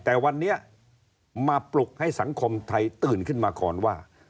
แต่วันนี้มาปลุกให้สังคมไทยตื่นขึ้นมาก่อนว่า